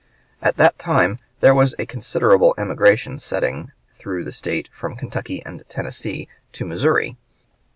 At that time there was a considerable emigration setting through the State from Kentucky and Tennessee to Missouri.